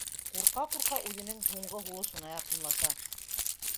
Курҡа-ҡурҡа үҙенең һуңғы һулышына яҡынлаша.